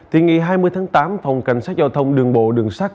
thì ngày hai mươi tháng tám phòng cảnh sát giao thông đường bộ đường sát